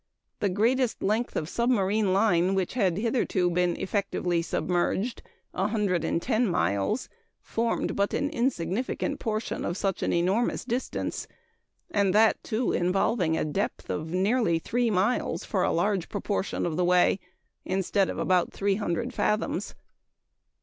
The greatest length of submarine line which had hitherto been effectively submerged 110 miles formed but an insignificant portion of such an enormous distance; and that, too, involving a depth of nearly three miles for a large proportion of the way, instead of about 300 fathoms.